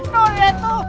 tuh lihat tuh